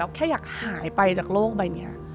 แล้วแค่อยากหายไปจากโลกไปอย่างนี้